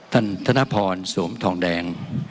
ธนพรสวมทองแดง